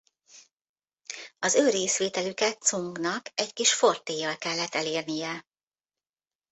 Az ő részvételüket Tsungnak egy kis fortéllyal kellett elérnie.